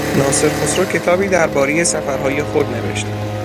ناصر خسرو کتابی دربارهی سفرهای خود نوشت.